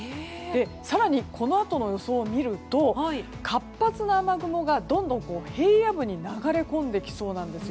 更にこのあとの予想を見ると活発な雨雲がどんどんと平野部に流れ込んできそうなんです。